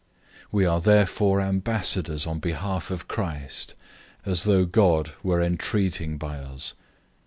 005:020 We are therefore ambassadors on behalf of Christ, as though God were entreating by us.